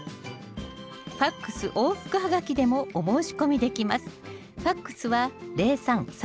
ＦＡＸ往復ハガキでもお申し込みできます